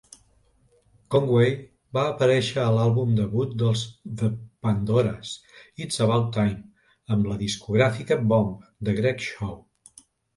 Conway va aparèixer a l'àlbum debut dels The Pandoras, "It's About Time", amb la discogràfica Bomp!, de Greg Shaw.